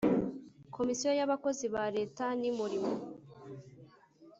Komisiyo y abakozi ba Leta nimurimo